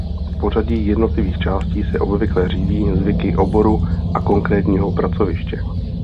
Pořadí jednotlivých částí se obvykle řídí zvyky oboru a konkrétního pracoviště.